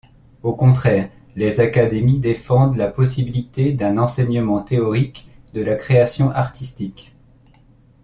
Au contraire, les académies défendent la possibilité d'un enseignement théorique de la création artistique.